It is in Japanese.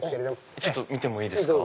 ちょっと見てもいいですか？